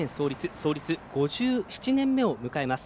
創立５７年目を迎えます。